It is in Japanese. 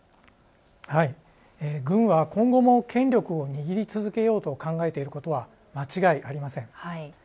軍は今後も権力を握り続けようと考えていることは間違いありません。